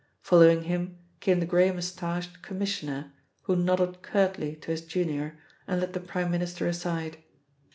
Following him came the grey moustached Commissioner, who nodded curtly to his junior and led the Prime Minister aside.